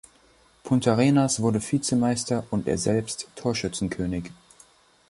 Puntarenas wurde Vizemeister und er selbst Torschützenkönig.